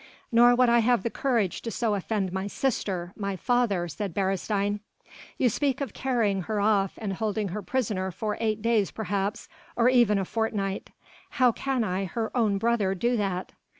"Nor would I have the courage so to offend my sister ... my father," said Beresteyn. "You speak of carrying her off, and holding her a prisoner for eight days perhaps, or even a fortnight. How can I, her own brother, do that?